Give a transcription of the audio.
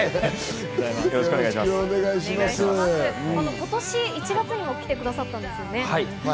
今年、１月にも来てくださったんですよね？